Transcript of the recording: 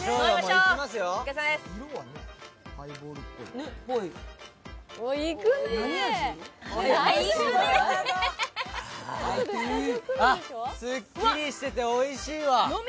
はあ、すっきりしてておいしいわ。